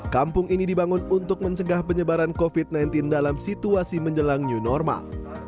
kampung ini dibangun untuk mencegah penyebaran covid sembilan belas dalam situasi menjelang new normal